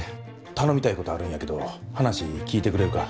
頼みたいことあるんやけど話聞いてくれるか？